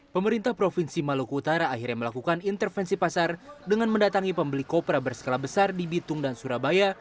pemerintah provinsi maluku utara akhirnya melakukan intervensi pasar dengan mendatangi pembeli kopra berskala besar di bitung dan surabaya